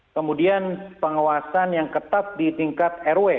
kemudian pengawasan yang ketat di tingkat rw